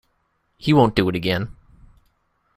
He won't do it again.